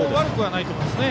悪くはないと思いますね。